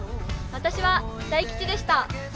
私は大吉でした。